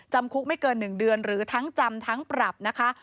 จำคุกไม่เกิน๑เดือนหรือทั้งจำทั้งปรับนะคะ